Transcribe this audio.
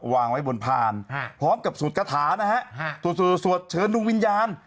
วางไว้บนพานพร้อมกับสวดกระถานะฮะสวดเชิญดวงวิญญาณ